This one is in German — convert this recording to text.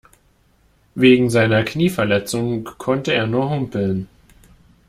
Wegen seiner Knieverletzung konnte er nur humpeln.